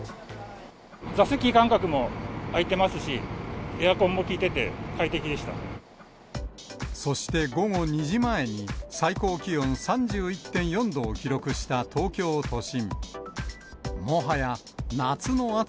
座席間隔も空いてますし、そして午後２時前に、最高気温３１．４度を記録した東京都心。